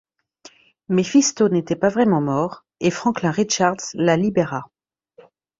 Méphisto n'était pas vraiment mort, et Franklin Richards la libéra.